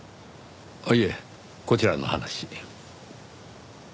あっいえこちらの話。